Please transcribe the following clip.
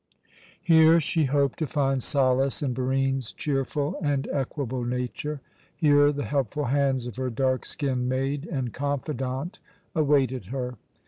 Here she hoped to find solace in Barine's cheerful and equable nature; here the helpful hands of her dark skinned maid and confidante awaited her.